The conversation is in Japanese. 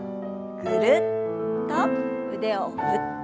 ぐるっと腕を振って。